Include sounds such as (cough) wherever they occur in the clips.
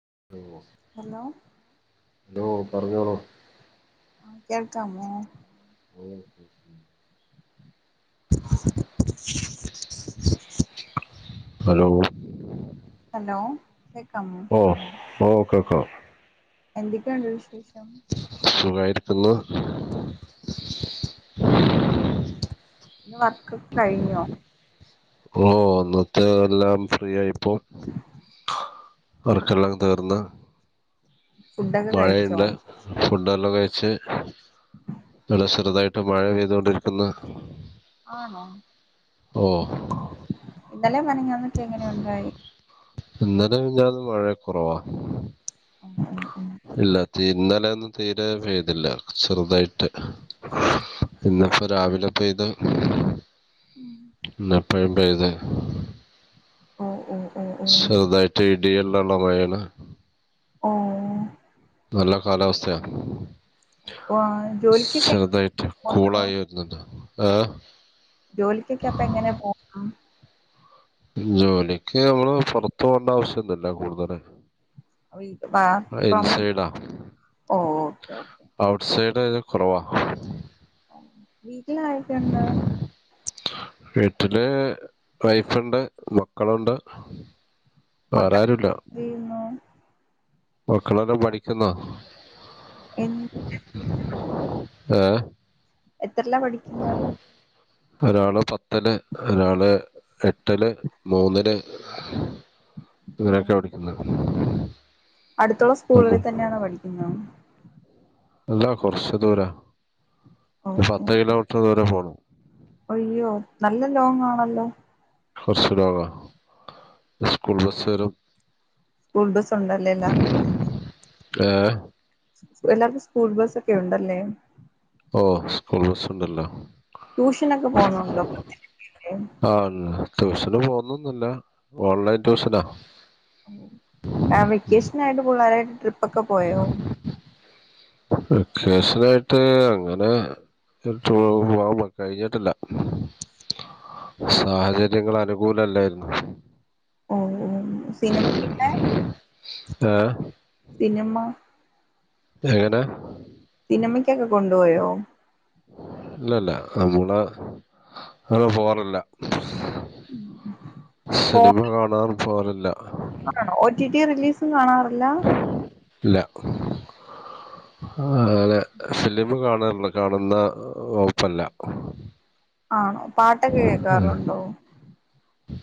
(inaudible) Hello hello പറഞ്ഞോളൂ. ആ കേൾക്കാമോ (inaudible) ഹലോ ഹലോ കേൾക്കാ ഓ കേൾക്കാം എന്തൊക്കെയാണ്ട് വിശേഷം സുഖായിരിക്കുന്നു ഇന്ന് വർക്ക് കഴിഞ്ഞോ ഓ ഇന്നത്തെ എല്ലാം ഫ്രീ ആയിപ്പോ വർക്കുകൾ എല്ലാം തീർന്നു ഫുഡൊക്കെ കഴിച്ചോ മഴയുണ്ട് ഫുഡ് എല്ലാം കഴിച്ച് ഇവിടെ ചെറുതായിട്ട് മഴ പെയ്തുകൊണ്ടിരിക്കുന്നു ആണോ ഓ ഇന്നലെയും മിനങ്ങാന്നൊക്കെ എങ്ങനെയുണ്ടായി ഇന്നലെ മിനങ്ങാന്നൊക്കെ മഴയൊക്കെ കുറവ ഇല്ല ഇന്നലെ ഒന്നും തീരെ പെയ്തില്ല ചെറുതായിട്ട് ഇന്നിപ്പോ രാവിലെ പോയി അത് ഇന്നിപ്പോഴും പെയ്ത് ഓ ഓ ഓ ഓ (unintelligible) ഓ നല്ല കാലാവസ്ഥയാ ഓ ജോലിക്കൊക്കെ എങ്ങനെ ചെറുതായിട്ട് പോവുന്നു കൂളായി വരുന്നുണ്ട് ഏ ജോലിക്കൊക്കെ അപ്പൊ എങ്ങനെ പോണം ജോലിക്ക് മ്മള് പുറത്തു പോവേണ്ട ആവശ്യല്ലല്ലോ കൂടുതല് ഓയി ഫാ ഫം ഇൻസൈഡാ ഓ ഓക്കെ ഓ അത് കുറവാ വീട്ടില് ആരൊക്കെയുണ്ട് വീട്ടില് വൈഫുണ്ട് മക്കളുണ്ട് വേറെ മക്കളക്കെ ആരുല്ല എന്തെയ്യുന്നു മക്കളെല്ലാം പഠിക്കുന്നാ എ ഏ എത്രെലാ പഠിക്കുന്നെ ഒരാള് പത്തില് ഒരാള് എട്ടില് മൂന്നില് ഇങ്ങനെയൊക്ക വിളിക്ക്ന്നത് അടുത്തുള്ള സ്കൂളിൽ തന്നെയാണോ പഠിക്കുന്നത് അല്ല കുറച്ച് ദൂരാ ഓ ഒരു ഓ പത്ത് കിലോമീറ്റർ ദൂരെ പോണം അയ്യോ നല്ല ലോങ്ങാണല്ലോ (unintelligible) സ്കൂൾ ബസ്സ് വരും സ്കൂൾ ബസ്സ് ഉണ്ടല്ലേ എല്ലാർക്കും ഏ എല്ലാർക്കും സ്കൂൾ ബസ്സ് ഒക്കെ ഉണ്ടല്ലേ ഓ സ്കൂൾ ബസ്സ് ഉണ്ടല്ലോ ട്യൂഷനൊക്കെ പോവുന്നുണ്ടോ ഏ ആ ട്യൂഷന് പോകുന്നൊന്നുല്ല ഓൺലൈൻ ട്യൂഷനാ ആ വെക്കേഷനായിട്ട് പുള്ളേര് ട്രിപ്പൊക്കെ പോയോ വെക്കേഷനായിട്ട് അങ്ങനെ (unintelligible) പോവാൻ കഴിഞ്ഞിട്ടില്ല സാഹചര്യങ്ങൾ അനുകൂലല്ലായിരുന്നു ഓഓ സിനിമക്കിട്ടേ ഏ പിന്നെമ്മ എങ്ങനെ സിനിമക്കൊക്കെ കൊണ്ടുപോയോ ഇല്ല ഇല്ല നമ്മള് അങ്ങനെ പോവാറില്ല ഓ സിനിമ കാണാൻ പോവാറില്ല ഒ ടി ടി റിലീസ് തും കാണാറില്ല ഇല്ല അങ്ങനെ ഫിലിം കാണാറില്ല കാണുന്ന വകുപ്പല്ല ആണോ പാട്ടൊക്കെ കേക്കാറുണ്ടോ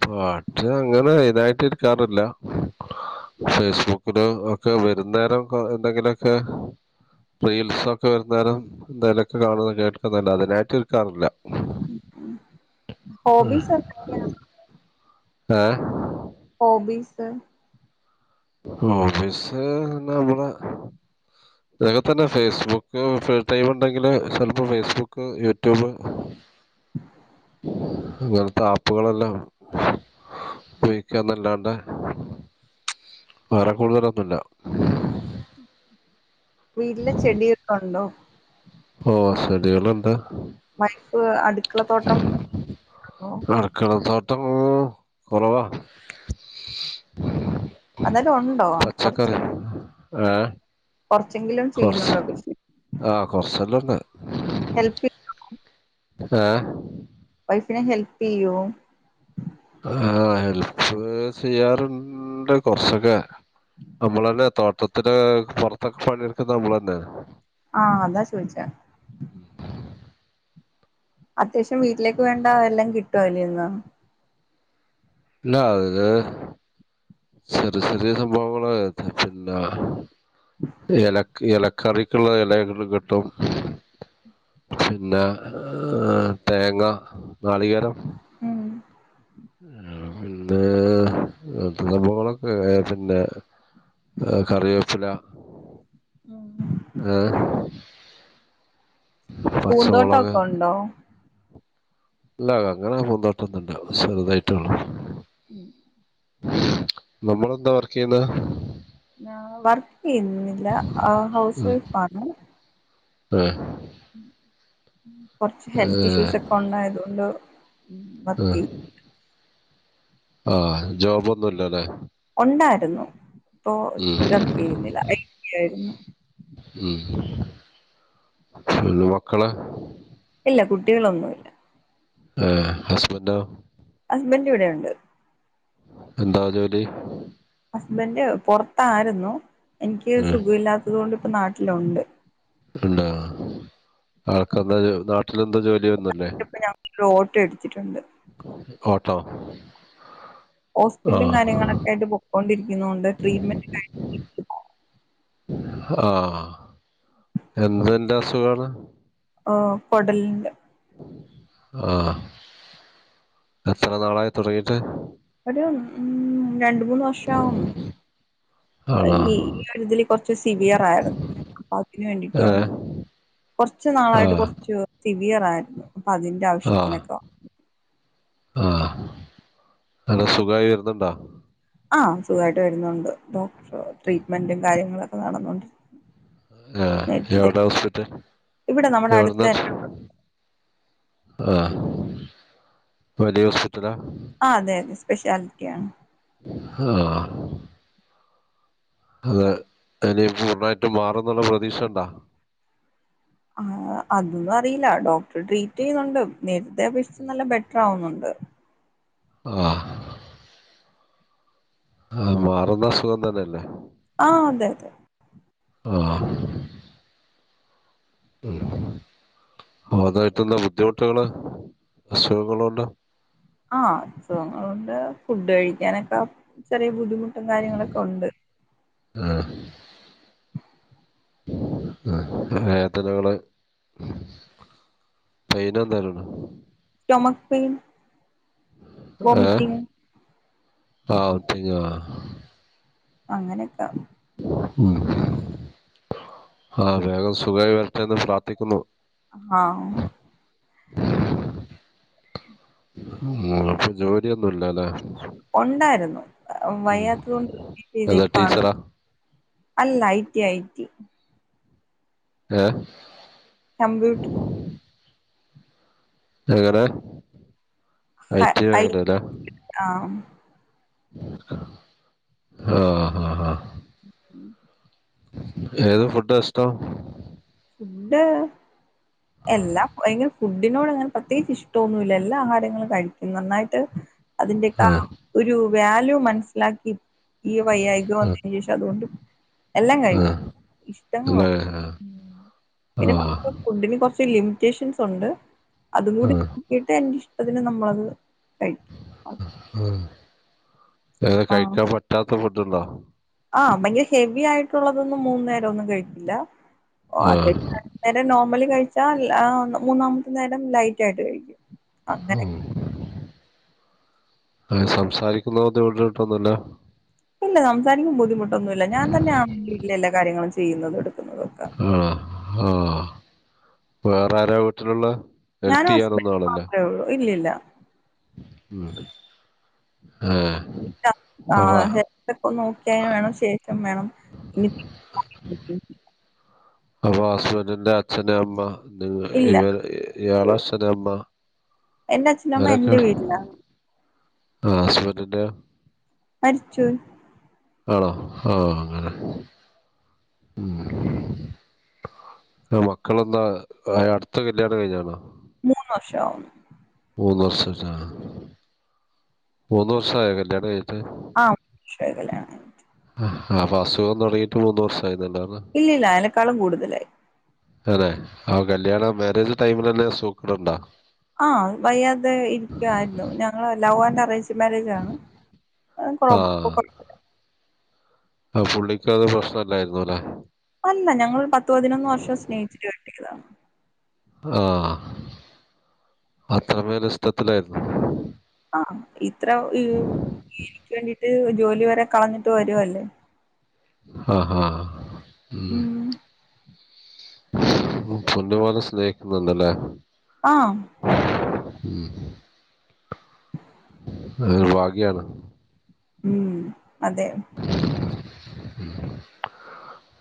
പാട്ട് അങ്ങനെ ഇതായിട്ട് ഇരിക്കാറില്ല ഫേസ്ബുക്കില് ഒക്കെ വരുന്നേരം എന്തെങ്കിലൊക്കെ റീൽസൊക്കെ വരുന്നേരും എന്തേലൊക്കെ കാണാന്ന് കേൾക്കാന്നല്ലാതെ അതിനായിട്ട് നിൽക്കാറില്ല ഹും ഹോബീസ് എന്തൊക്കെയാണ് ഏ ഹോബീസ് ഹോബീസ് എന്നാള്ളെ ഇതൊക്കെ തന്നെ ഫേസ്ബുക്ക് ഫ്രീ ടൈമ്ണ്ടെങ്കില് ചെലപ്പോ ഫേസ്ബുക്ക് യൂട്യൂബ് (inaudible) അങ്ങൻതെ ആപ്പുകളെല്ലാം ഉപയോഗിക്കാന്നല്ലാണ്ടെ വേറെ കൂടുതലൊന്നുല്ല വീട്ടിലെ ചെടിയൊക്കെ ഉണ്ടോ ഓ ശടി വല്ല എന്താ വൈപ്പ് അടുക്കള തോട്ടം വന്ന് അടുക്കളത്തോട്ടം കുറവാ അോലും ഉണ്ടോ ചറച്ചും ഏ കുറച്ച് കൃഷി ആഹ കൊറച്ചല്ലാംന്ന ഹെപ്പിംഗ ആഹ വൈഫിനെ ഹെല്പ് ചെയ്യൂ ആ ഹെല്പ്പ് ചെയ്യാറുണ്ട് കുറച്ചൊക്കെ നമ്മള തന്നെ തോട്ടത്തി പുറത്തൊക്കെ പണിയെടുക്കുന്ന നമ്മൾ തന്നെ ആഹ അതാ ചോയിിച്ച അത്യാവശ്യം വീട്ടിലേക്ക് വേണ്ട എല്ലാം കിട്ടുവ അല്ലന്ന് ഇ ആത് ചെറിയ ചെറിയ സംഭവങ്ങള പിന്നെ ഇല ഇല കറിക്കുള്ള ഇലകൾ കിട്ടും പിന്നെ ർ തേങ്ങ നാളികേരം ഉം ആ പി സംഭവങ്ങളൊക്കെ പിന്നെ കറിവേപ്പില ആഹ പൂന്തോട്ടൊക്കെ ഉണ്ടോ ഇല്ല അങ്ങനെ പന്തോട്ടൊന്നണ്ടാവ ചെറുതായിട്ടള്ളൂ നമ്മൾെന്താ വർക്ക് ചെയ്യുന്ന വർക്ക് ചെയ്യുന്നില്ല ഹൗസ് വൈഫ് ആാണ് ആഹ് കൊറച്ച് ഹെൽത്ത് ഇഷ്യൂസ് ഒക്കെ ഉണ്ടായത കൊണ്ട് ആ ആഹ് ജോബൊന്നുംല്ലല്ലെ ഉണ്ടായിരുന്നു ഇപ്പൊ ഉം ക്ക ചെയുന്നില്ലരുന്നു ഉം പിന്നെ മക്കള് ഇല്ല കുട്ടികളൊന്നുമല്ല ആഹ ഹസ്ബന്റോ ഹസ്ബൻഡ് ഇവിടെ ഉണ്ട് എന്താ ജോലി ഹസ്ബന്റ് പുറത്തായിരുന്നു എനിക്ക് ഏഹ് സുഖമില്ലാത്തത് കൊണ്ട് ഇപ്പ നാട്ടിലുണ്ട് ഉണ്ടാ ആൾക്കെന്താ നാട്ടില എന്താ ജോലി വന്നല്ലേ റോട്ട് എടുത്തിട്ടുണ്ട് ട്ടോ ഹോസ്പിറ്റലും കാര്യങ്ങളൊക്കെ ആയിട്ട് പോക്കൊണ്ടിരിക്കുന്നുണ്ട് ട്രീറ്റ്മെന്റ് ആഹ എന്ത്ന്റെ അസുഖാണ് കൊടൽ ആഹ എത്ര നാളായി തുടങ്ങിട്ട് ഒരു ഉ രണ്ട മൂന്ന് വർഷ ആവുന്നു ആണോ ഈ ഈ കഴുതിൽ കുറച്ച് സിവിയർ ആയിരുന്നു അപ്പൊ അതിന് വേണ്ടിട്ട് ഏഹ് വന്നു കുറച്ചു നാളായിട്ട് ആഹ് കുറച്ച് സിവിയറ ആയിരുന്നു അപ്പൊ അതിന്റെ ആവശ്യത്തിനൊക്കെ ആഹ അനെ സുഖമായി വരുന്നുണ്ടോ ആഹ സുഖമായിട്ട് വരുന്നുണ്ട് ഡോക്ടർ ട്രീറ്റ്മെന്റും കാര്യങ്ങളൊക്കെ നടന്നണ്ട് ആഹ് എവിടെ ഹോസ്പിറ്റൽ ഇവിടെ നമ്മുടെ എവിടെന്ന് അടുത്ത് ആഹലിയ ഹോസ്പിറ്റലാ ആ അതെ അതെ സ്പെഷ്യാലിറ്റിയ ആണ് ആ അതെ അ പൂർണ്ണായിട്ട് മാറ ആ അതൊന്നും അറിയില്ല ഡോ ട്രീറ്റ് ചെയ്യുന്നുണ്ട് നേരതെ അപേക്ഷിച്ചു നല്ല ബെറ്റർ ആവുന്നുണ്ട് ആ ആ മാറുന്ന അ സുഖം തന്നെയല്ലേ ആഹ അതെ അതെ ആഹ ഉഹ അ അതായിട്ട് എന്താ ബുദ്ധിമുട്ടുകള് അസുഖങ്ങള് കൊണ്ട് ആഹണ്ട് ഫുഡ് കഴിക്കാനൊക്കെ ചെറിയ ബുദ്ധിമുട്ട മും കാര്യങ്ങളൊക്കെ ഉണ്ട് ആ ആ വേദനകള് പൈൻ എന്തേലും ഉണ്ടോ സ്റ്റോമക് പെയിൻ ഏ വോമിറ്റിങ് (unintelligible) അങ്ങനെയൊക്കെ ആ വേഗം സുഖമായി വരത്തന്ന് പ്രാർത്ഥിക്കുന്നു ആഹ ആ ഉ അപ്പൊ ജോലിയൊന്നുമില്ലല്ലെ ഉണ്ടായിരുന്നു വയ്യാത്ത കൊണ്ട് (inaudible) ഏതാ ക്കാണ് ടീച്ചറാ അല്ല ഐത്തി അയിത്തി ആഹ കംമ്പ്യൂട്ടർ എങ്ങനെ ഐടി ഐ ആ ആഹ ഹഹ ഹഹ ഉ ഉ ഏതോ ഫുഡ് ഇഷ്ടം എന്ത എല്ലാ എന ഫുഡിനോട് അങ്ങനെ പ്രത്യേകിച്ച് ഇഷ്ടൊന്നുമല്ല എല്ലാ ആഹാരങ്ങളും കഴിക്കും നന്നായിട്ട് അതിന്റെയക്കെ ഒരു വാല്യൂ മനസ്സിലാക്കി ഈ വൈ്യായികം ആഹ് വന്നതിന് ശേഷം അതുകൊണ്ടും എല്ലാം കഴ ആ ഇഷ്ടങ്ങ അല്ലേ ആ പിന്നെ ആ കു ഫുഡിന് കുറച്ച് ലിമിറ്റേഷൻസ് ഉണ്ട് ആ അതുകൂടി നോിട്ട് എ പതിന് നമ്മളത് കഴിക്കും അത് കഴിക്കാൻ പറ്റാത്ത ഫുഡുണ്ടോ ആഹ ഭയങ്കര ഹെവി ആയിട്ടുള്ളതൊന്നും മൂന്നു നേരം ഒന്നും കഴിക്കില്ല ഓ ആ അ നേരം നോർമലി കഴിച്ചാൽ മൂന്നാമത്തെ നേരം ലൈറ്റ് ആയിട്ട് കഴിക്കും അങ്ങനെ ഓ ആ സംസാരിക്കുന്ന ബുദ്ധിമുട്ടിട്ടൊന്നുമല്ല ഇല്ല സംസാരിക്കും ബുദ്ധിമുട്ടൊന്നുംുമല്ല ഞാൻ തന്നെയ ആ വീട്ടിൽ എല്ലാ കാര്യങ്ങളും ചെയ്യുന്നത് എടുക്കും ആഹ ആഹ വേറെരാ വീട്ടിലുള്ള ഞാൻ ഹെൽപ്പ് ഹസ്ബന് ചെയ്യാനൊന്നും ആളല്ലേ മാത്രമേ ഉള്ളൂ ഇല്ലില്ല ആ അപ്പൊ ഹക്കെ നോക്കിയന് വേണം ശേഷം ഇം വേണം ഇനി അപ്പൊ ഹസ്ബൻറിിന്റെ അച്ഛന്റെ അമ്മ നി ഇല്ല ഇവ ഇയാള അച്ഛന്റെ അമ്മ എൻന്റെ അച്ഛനമ്മ എൻറെ വീടിലാ ആസ്പറ്റല്ല അരിിച്ചൂ ആണോ ആഹ അങ്ങനെ ഉ ആ മക്കളെന്താ ആ അടുത്ത കല്യാണം കഴിഞ്ഞാണ് മനശ മൂന്ന് വർഷംച്ച മൂന്ന് വർഷം ആയ കല്യാണം കഴട്ട് ആഹ കല്യാണ ആഹ അൊ അസുഖം തുടങ്ങിട്ട് മൂന്ന് വർഷം ഇല്ലല്ല അയനക്കാളും കൂടുതലായി അനെ ആ കല്യാണ മാരേജ് ടൈമിലല്ല സൂക്കടണ്ടോ ആഹ വയ്യാതെ ഇരിക്കുവായിരുന്നു ഞങ്ങള് ലഹ്വാ അറിയി മേജണ്ഴ ആ ആ പുള്ളിക്ക അത് പ്രശ്നംല്ലായിുന്ന അലെ അല്ല ഞങ്ങ പത്തു പതിനൊന്ന് വർഷം സ്നേഹിച്ചിട്ട് കിട്ടിയതാണ് ആഹ അത്രമേ രഷത്തിലായിരുന്നു ആഹ ഇത്ര ഈ എനിക്ക് വേണ്ടീട്ട് ജോലി വരെ കളഞ്ഞിട്ട് വരു അല്ലേ ആഹ് ഹഹ് ഉം ഉ പൊന്ന പോലെ സ്നേഹിക്കുന്നുണ്ടല്ലേ ആഹ് ഉം ഉ (unintelligible) അ വഗയാണ് ഉം അതെ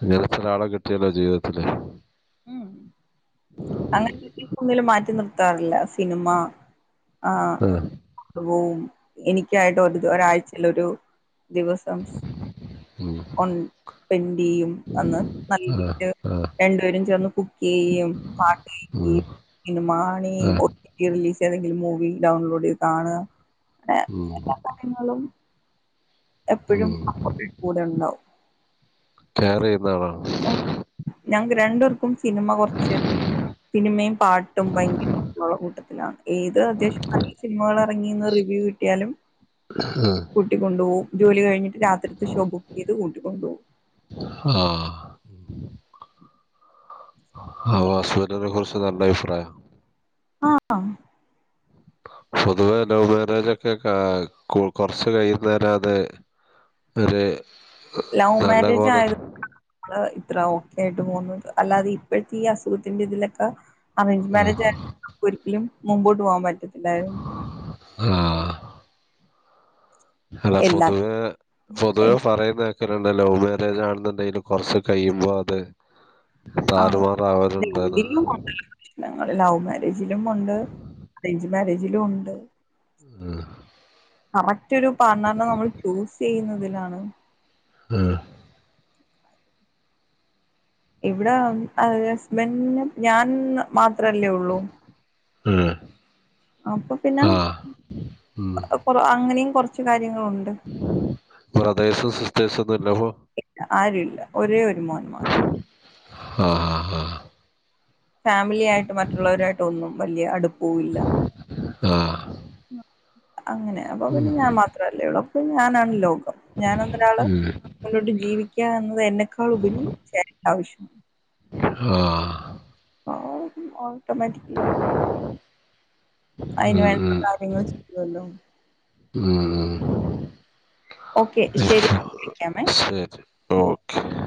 അങ്ങനെ ചില ആളെ കിട്ടിയല്ലോ ജീവിതത്തില് ഉ അങ്ങനെ ഒ ഒന്നും മാറ്റി നിർത്താറില്ല സിനിമ ആ പോവും എനിക്കായിട്ട് ഒരു ഒരാഴ്ചൽൊ ഒരു ദിവസം ഉം. െന് ചെയും അന്ന് ആ നല്ലട്ട് ആ രണ്ടുപേരും ജന കുക്കി പാട്ടക്കി ഉം. ഇന്ന ആ മണിട്ടല ഏതെങ്കിലും മൂവി ഡൗൺലോഡ് ചെയ്ത് കാണുക അങ്ങ ഉം. എാ കാര്യങ്ങളും എപ്പോഴും ഉം. കൂടെ ഉണ്ടാവും കയർ ചെയ്യുന്നാണോ (unintelligible) രണ്ട പർക്കും സിനിമ കുറച്ച് സിനിമയും പാട്ടും ഭയങ്കര കൂട്ടത്തിലാണ് ഏത് അത്വ്യം നല്ല സിനിമകൾ ഇറങ്ങിന്ന് റിവ്യൂ കിട്ടിയാലും ഉം. കൂട്ടിക്കൊണ്ടുപോവും ജോലി കഴിഞ്ഞിട്ട് രാത്രിത്തെ ഷോ ബുക്ക് ചെയ്ത് കൂട്ടിക്കൊണ്ടുപോകവും ഉം ആ വസ്തുനെ കുറിച്ച് നല്ല അഭിപ്രായം ആ പൊതുവേ ലവ് മാരേജ് ഒക്കെ കൊറച്ച് കൈ നേരാതെ വറ (unintelligible) ലവ് മാരേജ് ആയത് ഇത്ര ഓക്കെ ആയിട്ട് പോകുന്നത് അല്ലാതെ ഇപ്പോഴത്തെ ഈ അസുഖത്തിന്റെ ഇതിലൊക്കെ അറേഞ്ച് മാരേജ ആയാല നമു ഒരിക്കലും മ്പോട്ട് പോകാൻ പറ്റും ആ അല്ല എല്ലാ പൊതുവേ പൊതുവേ പറയുന്ന ലവ് മാരേജ് ആണെന്നുണ്ടെും കൊറച്ച് കഴിയുമ്പോ അത് ആഹ് താറുമാറാവരുണ്ടന്ന് രണ്ടിലും ഉണ്ടല്ലോ പ്രശ്നങ്ങൾ ലവ് മാരേജിലും ഉണ്ട് അറേഞ്ച് മാരേജിലും ഉണ്ട് ആ കറക്റ്റ് ഒരു പണെണ്ണം നമ്മൾ ചൂസ് ചെയ്യുന്നതിലാണ് ആ ഇവിടെ അ ഹസ്ബൻറിന് ഞാൻ മാത്രല്ലേ ഉള്ളൂ മ്മ് അപ്പൊ പിന്നെ ഉം കൊറ അങ്ങനെയും കുറച്ച് കാര്യങ്ങളുണ്ട്. ബ്രതേഴ്സും സിസ്റ്റേഴ്സും ഒന്നുംല്ലപ്പൊ ആരുല്ല ഒരേ ഒരു മോൻ മാത്രം ആ ഹഹ ഹഹ ഫാമിലിയ ആയിട്ട് മറ്റുള്ളവരായിട്ട് ഒന്നും വലിയ അടു പോവില്ല ആഹ് അങ്ങനെ അപ്പൊ ഉം പിന്നെ ഞാൻ മാത്രല്ലേ ഉള്ളൂ പിന്നെ ഞാനാണ് ലോകം ഞാനന്ന ഒന്നൊരാള് ഉം മുന്നോട്ട് ജീവിക്കാ എന്നത് എന്നെക്കാൾഉപരി ചേട്ടൻ്റെ ആവശ്യമാണ്. ആ മ്മ് ഓട്ടോമറ്റിക്കിലി ഉം അതിനുവേണ്ട ഉം കാര്യങ്ങളൊക്കെ ചെയുല്ലോ ഉം ഉം. ഓക്കെ ശരി വിളിക്കാമെ